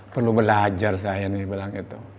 perlu belajar saya nih bilang gitu